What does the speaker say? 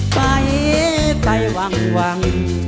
ไปไปหวังหวัง